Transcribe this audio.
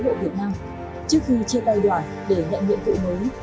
trước khi tiễn đoàn công tác của bộ công an trước khi chia tay đoàn để nhận nhiệm vụ mới